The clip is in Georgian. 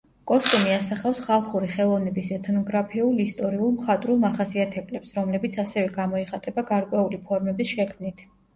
კოსტუმი ასახავს ხალხური ხელოვნების ეთნოგრაფიულ, ისტორიულ, მხატვრულ მახასიათებლებს, რომლებიც ასევე გამოიხატება გარკვეული ფორმების შექმნით.